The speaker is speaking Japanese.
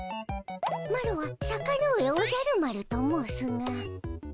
マロは坂ノ上おじゃる丸と申すが。